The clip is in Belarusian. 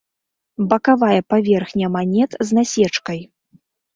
Бакавая паверхня манет з насечкай.